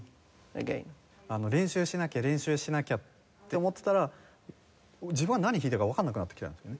練習しなきゃ練習しなきゃって思ってたら自分が何弾いてるかわからなくなってきたんですよね。